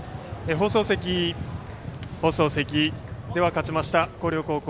放送席、勝ちました広陵高校